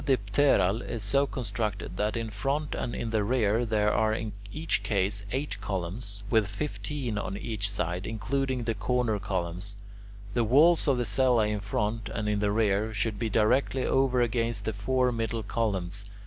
The pseudodipteral is so constructed that in front and in the rear there are in each case eight columns, with fifteen on each side, including the corner columns. The walls of the cella in front and in the rear should be directly over against the four middle columns.